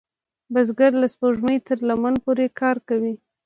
بزګر له سپوږمۍ تر لمر پورې کار کوي